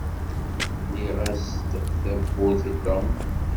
Lliɣ-as-d tawwurt i Tom.